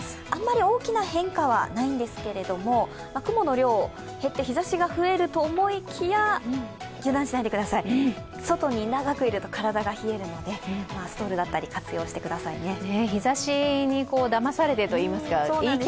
あまり大きな変化はないんですけれども、雲の量が減って日ざしが増えると思いきや油断しないでください、外に長くいると体が冷えるのでストールだったり活用してくださいね。